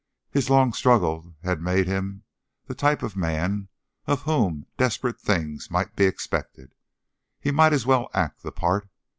His long struggle had made him the type of man of whom desperate things might be expected. He might as well act the part.